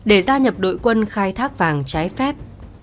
để gia nhập đội quân khai thác vàng trái phép